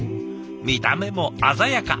見た目も鮮やか。